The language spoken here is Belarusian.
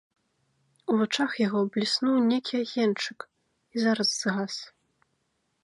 У вачах яго бліснуў нейкі агеньчык і зараз згас.